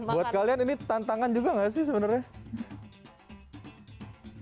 buat kalian ini tantangan juga nggak sih sebenarnya